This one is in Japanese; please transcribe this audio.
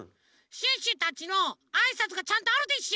シュッシュたちのあいさつがちゃんとあるでしょ！